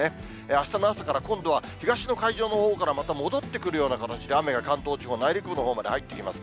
あしたの朝から今度は東の海上のほうからまた戻ってくるような形で、雨が関東地方、内陸部のほうまで入ってきます。